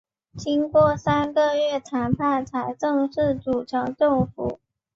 经过三个月谈判才正式组成政府。